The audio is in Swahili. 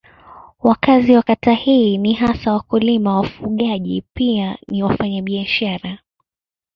Wakazi wa kata hii ni hasa wakulima na wafugaji pia ni wafanyabiashara.